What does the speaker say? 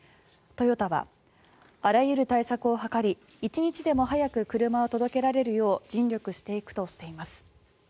トヨタはあらゆる対策を図り一日でも早く車を届けられるよう尽力していくとしています。